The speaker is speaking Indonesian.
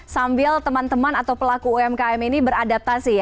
sambil teman teman atau pelaku umkm ini beradaptasi